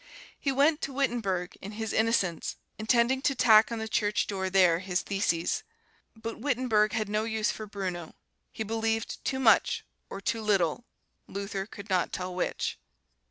He went to Wittenberg, in his innocence, intending to tack on the church door there his theses. But Wittenberg had no use for Bruno he believed too much, or too little, Luther could not tell which.